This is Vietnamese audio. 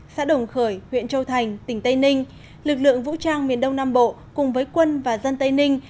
xã đồng khởi huyện châu thành tỉnh tây ninh lực lượng vũ trang miền đông nam bộ cùng với quân và dân tây ninh